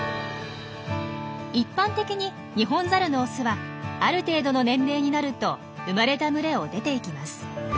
一般的にニホンザルのオスはある程度の年齢になると生まれた群れを出ていきます。